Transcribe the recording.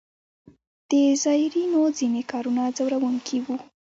د زایرینو ځینې کارونه ځوروونکي وو.